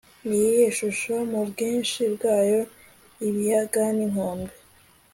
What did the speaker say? Niyihe shusho mubwinshi bwabo ibiyaga ninkombe